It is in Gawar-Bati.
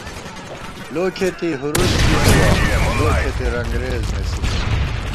لو کھېتی ہُروس ژِی بُوَہ ، لو کھېتی رنگرېز نېسی گہ